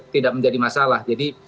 tidak menjadi masalah jadi